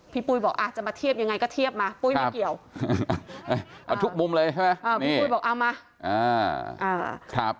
ปุ้ยบอกอาจจะมาเทียบยังไงก็เทียบมาปุ้ยไม่เกี่ยวเอาทุกมุมเลยใช่ไหมพี่ปุ้ยบอกเอามา